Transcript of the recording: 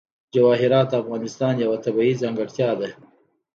جواهرات د افغانستان یوه طبیعي ځانګړتیا ده.